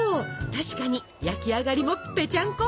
確かに焼き上がりもぺちゃんこ！